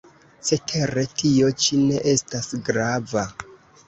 Cetere tio ĉi ne estas grava.